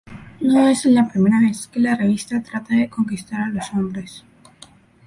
No es la primera vez que la revista trata de conquistar a los hombres.